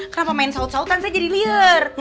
kenapa main saut sautan saya jadi liar